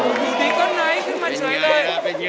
ดูดีกว่าไหนขึ้นมาจนไหนเลย